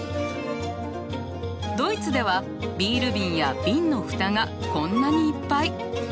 ドイツではビール瓶や瓶の蓋がこんなにいっぱい！